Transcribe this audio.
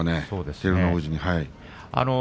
照ノ富士は。